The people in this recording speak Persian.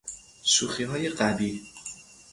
شوخیهای قبیح